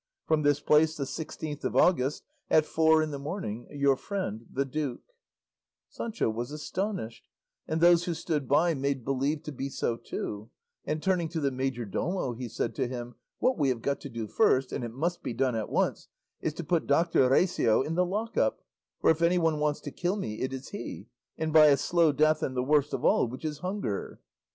From this place, the Sixteenth of August, at four in the morning. Your friend, THE DUKE Sancho was astonished, and those who stood by made believe to be so too, and turning to the majordomo he said to him, "What we have got to do first, and it must be done at once, is to put Doctor Recio in the lock up; for if anyone wants to kill me it is he, and by a slow death and the worst of all, which is hunger."